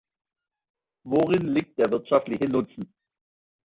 Worin liegt der wirtschaftliche Nutzen?